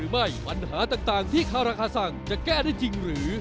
ไม่ปัญหาต่างที่คาราคาสั่งจะแก้ได้จริงหรือ